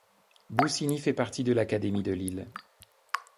Bousignies fait partie de l'académie de Lille.